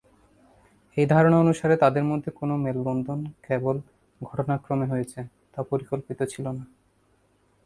এই ধারণা অনুসারে তাদের মধ্যে কোন মেলবন্ধন কেবল ঘটনাক্রমে হয়েছে, তা পরিকল্পিত ছিলোনা।